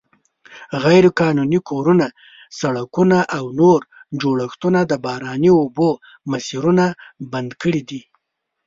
غیرقانوني کورونه، سړکونه او نور جوړښتونه د باراني اوبو مسیرونه بند کړي دي.